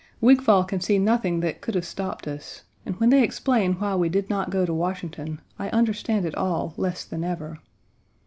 Wigfall can see nothing that could have stopped us, and when they explain why we did not go to Washington I understand it all less than ever.